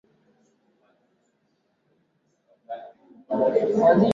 vya damu yao umeonyesha walivyoathiriwa na urithi wa nasaba mbalimbali hata kutoka nje ya